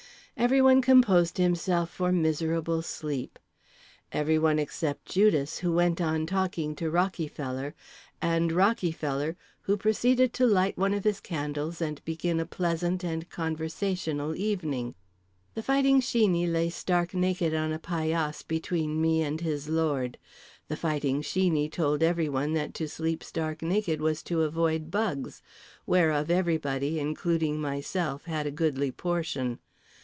Everyone composed himself for miserable sleep. Everyone except Judas, who went on talking to Rockyfeller, and Rockyfeller, who proceeded to light one of his candles and begin a pleasant and conversational evening. The Fighting Sheeney lay stark naked on a paillasse between me and his lord. The Fighting Sheeney told everyone that to sleep stark naked was to avoid bugs (whereof everybody, including myself, had a goodly portion).